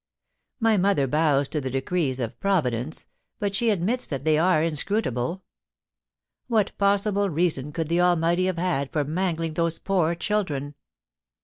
My mother bows to the decrees of Providence, but she admits that they are inscrutable. What possible reason could the Almighty have had for mangling those poor children ?